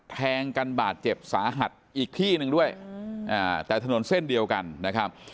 แทงกันบาดเจ็บสาหัสอีกที่หนึ่งด้วยแต่ถนนเส้นเดียวกันนะครับ